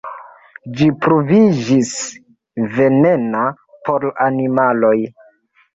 Ĝi pruviĝis venena por animaloj.